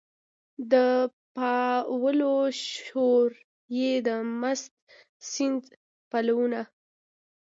د پاولو شور یې د مست سیند پلونه